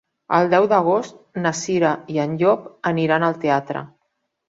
El deu d'agost na Cira i en Llop aniran al teatre.